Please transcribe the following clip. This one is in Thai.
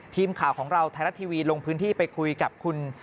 ทีมข่าวของเราไทยรัฐทีวีลงพื้นที่ไปคุยกับคุณ